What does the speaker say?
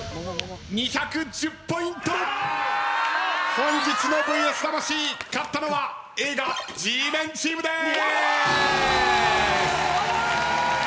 本日の『ＶＳ魂』勝ったのは映画Ｇメンチームです。